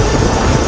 itu udah gila